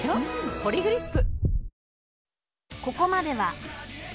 「ポリグリップ」